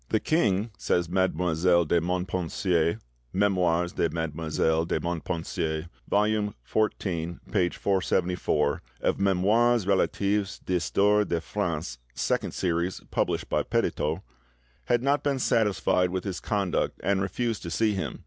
"The king," says Mademoiselle de Montpensier ('Memoires de Mademoiselle de Montpensier', vol. xliii. p. 474., of 'Memoires Relatifs d'Histoire de France', Second Series, published by Petitot), "had not been satisfied with his conduct and refused to see him.